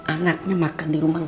anaknya makan di rumahnya